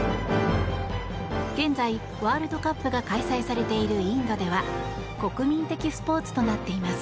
現在、ワールドカップが開催されているインドでは国民的スポーツとなっています。